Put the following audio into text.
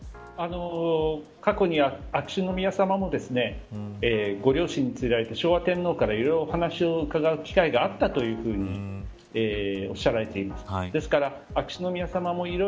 過去には悠仁さまもご両親に連れられて昭和天皇から、いろいろなお話を伺う機会があったということをおっしゃられています。